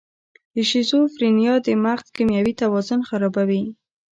د شیزوفرینیا د مغز کیمیاوي توازن خرابوي.